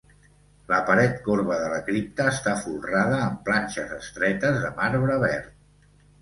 La paret corba de la cripta està folrada amb planxes estretes de marbre verd.